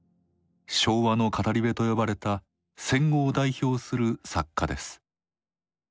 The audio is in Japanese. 「昭和の語り部」と呼ばれた戦後を代表する作家です。